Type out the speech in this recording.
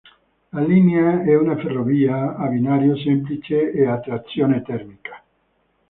La linea è una ferrovia a binario semplice e a trazione termica.